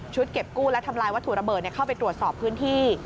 เก็บกู้และทำลายวัตถุระเบิดเข้าไปตรวจสอบพื้นที่